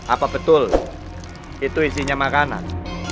apa betul itu isinya makanan